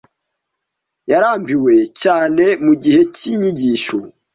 Yarambiwe cyane mugihe cy'inyigisho.